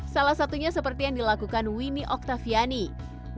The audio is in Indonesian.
salah satunya seperti yang dilakukan winnie octaviani